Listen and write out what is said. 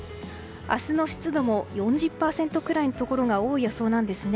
明日の湿度も４０％くらいのところが多い予想なんですね。